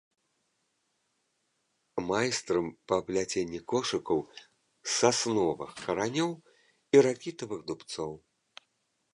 Майстрам па пляценні кошыкаў з сасновых каранёў і ракітавых дубцоў.